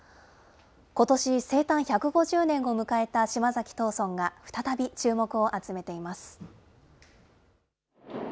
ことし、生誕１５０年を迎えた島崎藤村が、再び注目を集めています。